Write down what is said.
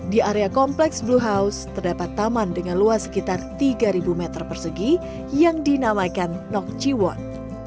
di area kompleks blue house terdapat taman dengan luas sekitar tiga meter persegi yang dinamakan nok chi won